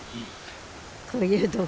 こういうとこ。